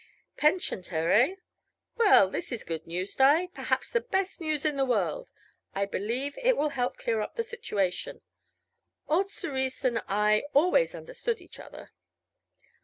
"Pensioned her, eh? Well, this is good news, Di; perhaps the best news in the world. I believe it will help clear up the situation. Old Cerise and I always understood each other."